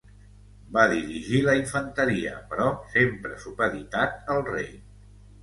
Va dirigir la infanteria però sempre supeditat al rei.